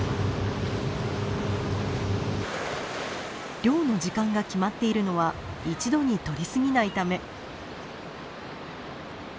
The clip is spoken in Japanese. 漁の時間が決まっているのは一度にとりすぎないため。